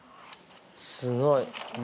すごい。